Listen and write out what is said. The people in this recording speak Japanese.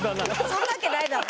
そんなわけないだろ！